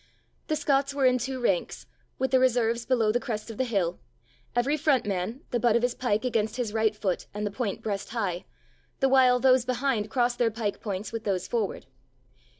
The Scots were in two ranks, with the reserves below the crest of the hill, every front man, the butt of his pike against his right foot and the point breast high, the while those behind crossed their pike points with those forward.